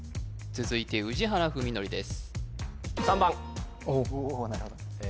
続いて宇治原史規です